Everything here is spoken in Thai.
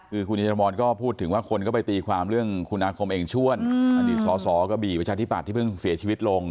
คือคุณอินทรมนต์ก็พูดถึงว่าคนก็ไปตีความเรื่องคุณนาคมเองช่วนอันนี้สอก็บี่วิชาธิบัตรที่เพิ่งเสียชีวิตลง